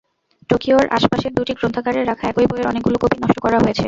টোকিওর আশপাশের দুটি গ্রন্থাগারে রাখা একই বইয়ের অনেকগুলো কপি নষ্ট করা হয়েছে।